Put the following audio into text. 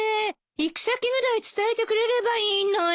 行き先ぐらい伝えてくれればいいのに。